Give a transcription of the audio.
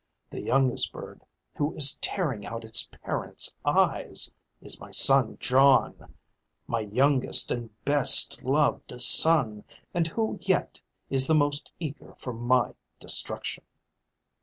The youngest bird, who is tearing out its parent's eyes, is my son John, my youngest and best loved son, and who yet is the most eager for my destruction."